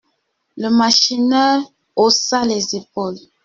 Le machineur haussa les épaules.